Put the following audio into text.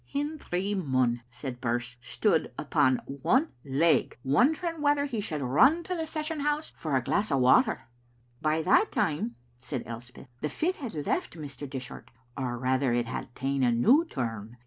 "Hendry Munn," said Birse, "stood upon one leg, wondering whether he should run to the session house for a glass of water." "But by that time," said Elspeth, "the fit had left Mr. Dishart, or rather it had ta'en a new turn.